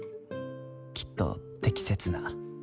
きっと適切な。